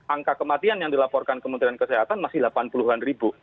angka kematian yang dilaporkan kementerian kesehatan masih delapan puluh an ribu